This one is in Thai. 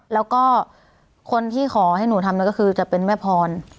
แล้วก็คนที่ขอให้หนูทำนั่นก็คือจะเป็นแม่พร